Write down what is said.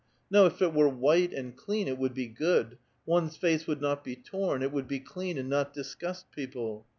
No, if it were white and clean, it would be good ; one's face would not be torn; it would be clean, and not disgust people.